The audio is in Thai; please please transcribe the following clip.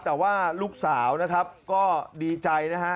แต่ว่าลูกสาวนะครับก็ดีใจนะฮะ